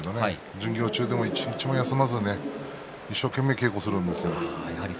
巡業中でも、一日も休まず一生懸命に稽古するんです。